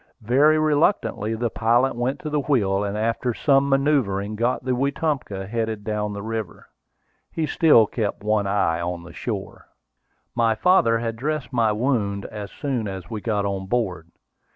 Very reluctantly the pilot went to the wheel, and after some manoeuvring got the Wetumpka headed down the river. He still kept one eye on the shore. My father had dressed my wound as soon as we got on board.